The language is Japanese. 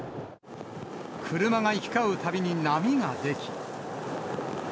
車が行き交うたびに波が出来。